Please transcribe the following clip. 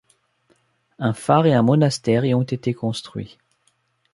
Un phare et un monastère y ont été construits.